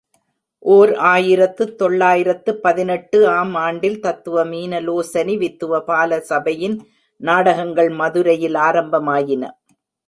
ஓர் ஆயிரத்து தொள்ளாயிரத்து பதினெட்டு ஆம்ஆண்டில் தத்துவ மீனலோசனி வித்துவ பால சபையின் நாடகங்கள் மதுரையில் ஆரம்பமாயின.